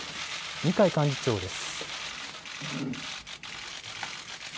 二階幹事長です。